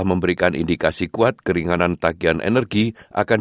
sampai jumpa di sps bahasa indonesia